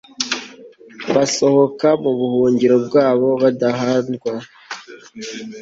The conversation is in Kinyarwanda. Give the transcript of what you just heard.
basohoka mu buhungiro bwabo badagadwa